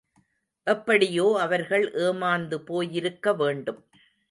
எப்படியோ அவர்கள் ஏமாந்து போயிருக்க வேண்டும்.